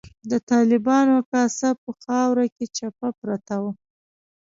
د طالبانو کاسه په خاورو کې چپه پرته وه.